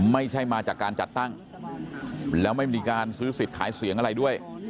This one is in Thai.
ไม่ใช่มาจากการจัดตั้งแล้วไม่มีการซื้อสิทธิ์ขายเสียงอะไรด้วย